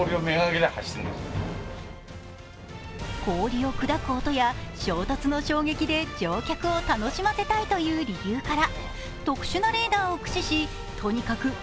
氷を砕く音や衝突の衝撃で乗客を楽しませたいという理由から特殊なレーダーを駆使しとにかく